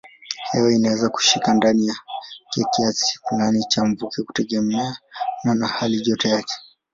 Hewa inaweza kushika ndani yake kiasi fulani cha mvuke kutegemeana na halijoto yake.